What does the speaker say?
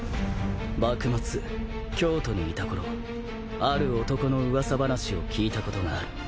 幕末京都にいた頃ある男の噂話を聞いたことがある。